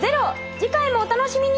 次回もお楽しみに！